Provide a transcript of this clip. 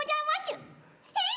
えっ！？